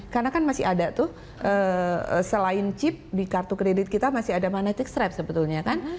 karena kan masih ada tuh selain chip di kartu kedidik kita masih ada magnetic stripe sebetulnya kan